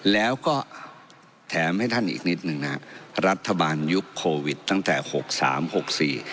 แล้วก็แถมให้ท่านอีกนิดหนึ่งนะฮะรัฐบาลยุคโควิดตั้งแต่หกสามหกสี่